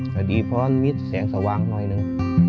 จะดีเพราะมีแสงสว่างหน่อยหนึ่ง